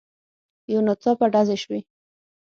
يو ناڅاپه ډزې شوې.